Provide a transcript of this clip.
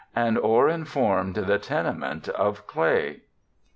And o'er inform'd the tenement of clay.